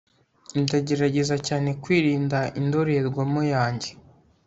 ndagerageza cyane kwirinda indorerwamo yanjye